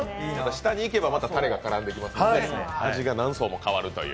下にいけばまたタレが絡んできますので、味が何層も変わるという。